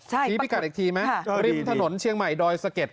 ชี้พิกัดอีกทีไหมริมถนนเชียงใหม่ดอยสะเก็ด